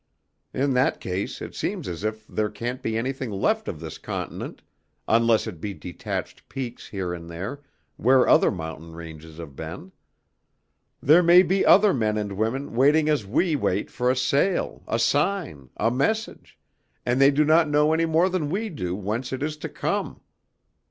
In that case it seems as if there can't be anything left of this continent, unless it be detached peaks here and there, where other mountain ranges have been. There may be other men and women waiting as we wait for a sail, a sign, a message, and they do not know any more than we do whence it is to come.